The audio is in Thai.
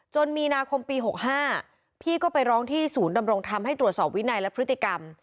มีนาคมปี๖๕พี่ก็ไปร้องที่ศูนย์ดำรงธรรมให้ตรวจสอบวินัยและพฤติกรรม